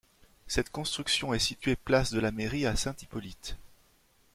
Cette construction est située place de la Mairie à Saint-Hippolyte.